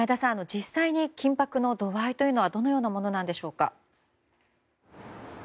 実際に緊迫の度合いというのはどのようなものなんでしょうか。